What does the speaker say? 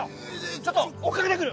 ちょっと追っかけてくる！